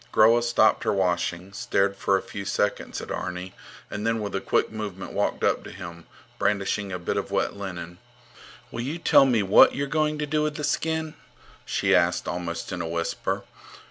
Groa stopped her washing, stared for a few seconds at Arni, and then with a quick movement walked up to him, brandishing a bit of wet linen. Will you tell me what you're going to do with the skin? she asked, almost in a whisper.